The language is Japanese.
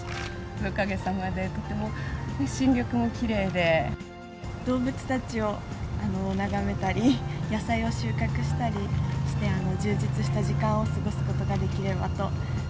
おかげさまで、動物たちを眺めたり、野菜を収穫したりして、充実した時間を過ごすことができればと。